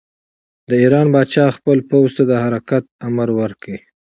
د ایران پاچا خپل پوځ ته د حرکت امر ورکړ.